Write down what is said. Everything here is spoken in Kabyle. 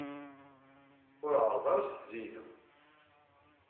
Ur ɛerreḍ ara ad s-tzeyydeḍ!